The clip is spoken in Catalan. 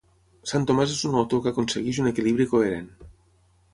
Sant Tomàs és un autor que aconsegueix un equilibri coherent.